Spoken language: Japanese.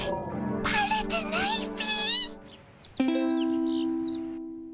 バレてないっピ？